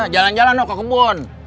jalan jalan mau ke kebun